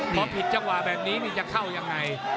เพราะผิดจังหวะแบบนี้จะเข้ายังไง